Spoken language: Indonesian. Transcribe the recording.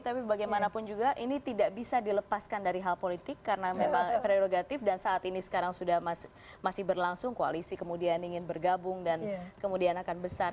tapi bagaimanapun juga ini tidak bisa dilepaskan dari hal politik karena memang prerogatif dan saat ini sekarang sudah masih berlangsung koalisi kemudian ingin bergabung dan kemudian akan besar